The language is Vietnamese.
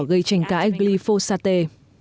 gây tranh cãi glyphosate